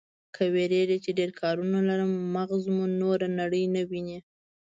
که وېرېږئ چې ډېر کارونه لرئ، مغز مو نوره نړۍ نه ويني.